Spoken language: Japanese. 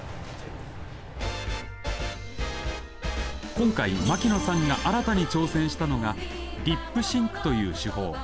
今回、牧野さんが新たに挑戦したのがリップシンクという手法。